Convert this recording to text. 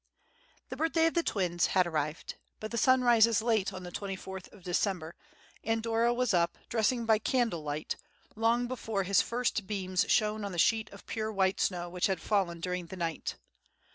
The birthday of the twins had arrived; but the sun rises late on the twenty fourth of December, and Dora was up, dressing by candlelight, long before his first beams shone on the sheet of pure white snow which had fallen during the night.